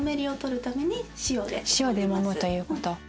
塩でもむということ。